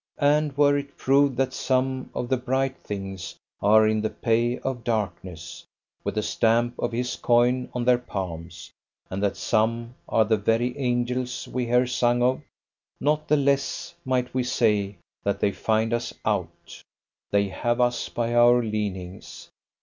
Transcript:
And were it proved that some of the bright things are in the pay of Darkness, with the stamp of his coin on their palms, and that some are the very angels we hear sung of, not the less might we say that they find us out; they have us by our leanings.